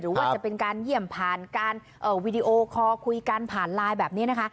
ว่าจะเป็นการเยี่ยมผ่านการวีดีโอคอลคุยกันผ่านไลน์แบบนี้นะคะ